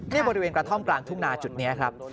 นี่บริเวณกระท่อมกลางทุ่งนาจุดนี้ครับ